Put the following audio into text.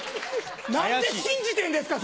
何で信じてんですか？